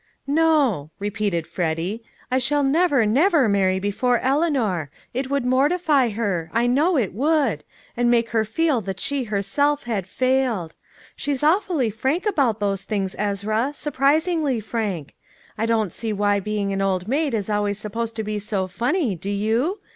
"No," repeated Freddy, "I shall never, never marry before Eleanor. It would mortify her I know it would and make her feel that she herself had failed. She's awfully frank about those things, Ezra surprisingly frank. I don't see why being an old maid is always supposed to be so funny, do you?